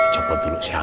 copot dulu sialnya ya